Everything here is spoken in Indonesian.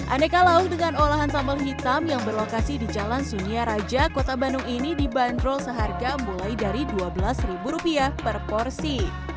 aneka lauk dengan olahan sambal hitam yang berlokasi di jalan sunyia raja kota bandung ini dibanderol seharga mulai dari dua belas rupiah per porsi